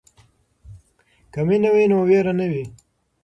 که مینه وي نو وېره نه وي.